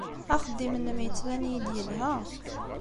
Axeddim-nnem yettban-iyi-d yelha.